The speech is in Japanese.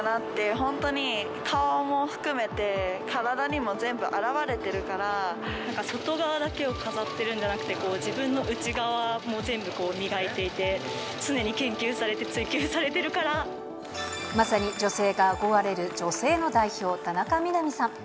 本当に顔も含めて、なんか外側だけを飾ってるんじゃなくて、自分の内側も全部磨いていて、常に研究されて、まさに女性が憧れる女性の代表、田中みな実さん。